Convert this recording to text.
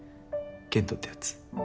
健斗ってやつ。